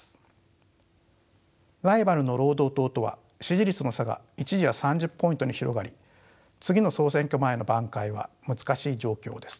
ライバルの労働党とは支持率の差が一時は３０ポイントに広がり次の総選挙前の挽回は難しい状況です。